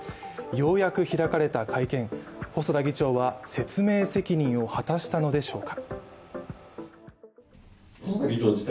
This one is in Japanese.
ようやく開かれた会見、細田議長は説明責任を果たしたのでしょうか。